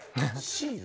シール。